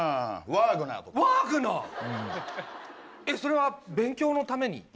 えっそれは勉強のために？